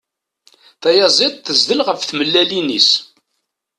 Tayaziḍt tezdel ɣef tmellalin-is.